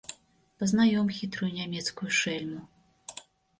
Пазнаём хітрую нямецкую шэльму!